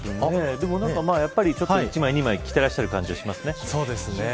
でも、ちょっと１枚２枚着ていらっしゃる感じがそうですね。